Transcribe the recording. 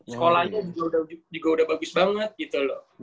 sekolahnya juga udah bagus banget gitu loh